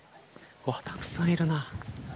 たくさんいるな。